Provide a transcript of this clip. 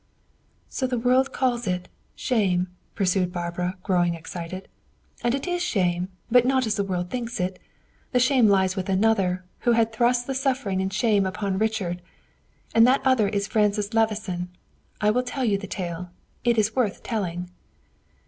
"So the world calls it shame," pursued Barbara, growing excited. "And it is shame, but not as the world thinks it. The shame lies with another, who had thrust the suffering and shame upon Richard; and that other is Francis Levison. I will tell you the tale. It is worth the telling."